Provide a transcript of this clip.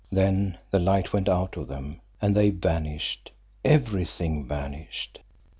Then the light went out of them and they vanished everything vanished.